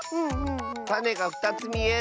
たねが２つみえる。